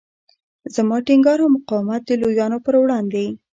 زما ټینګار او مقاومت د لویانو پر وړاندې.